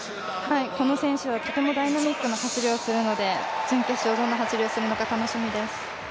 この選手はとてもダイナミックな走りをするので準決勝、どんな走りをするのか楽しみです。